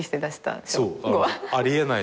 あり得ない。